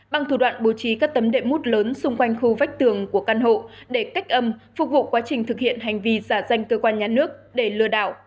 bằng thủ đoạn bố trí các tấm đệm mút lớn xung quanh khu vách tường của căn hộ để cách âm phục vụ quá trình thực hiện hành vi giả danh cơ quan nhà nước để lừa đảo